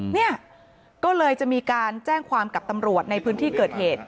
เนี่ยก็เลยจะมีการแจ้งความกับตำรวจในพื้นที่เกิดเหตุ